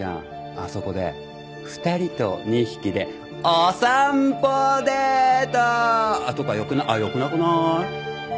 あそこで２人と２匹でお散歩デートとかよくなよくなくない？